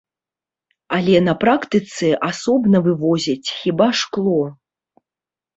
Але на практыцы асобна вывозяць хіба шкло.